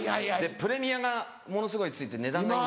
プレミアがものすごいついて値段が今。